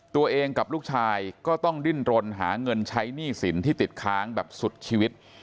ตัวเองกับลูกชายก็ต้องดิ้นรนหาเงินใช้หนี้สินที่ติดค้างแบบสุดชีวิต